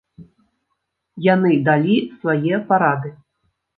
Яны далі свае парады.